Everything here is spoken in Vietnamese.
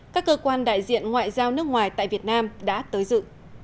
các cơ quan đại diện ngoại giao nước ngoài tại việt nam đã tới dự